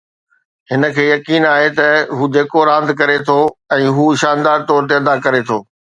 هن کي يقين آهي ته هو جيڪو راند ڪري ٿو ۽ هو شاندار طور تي ادا ڪري ٿو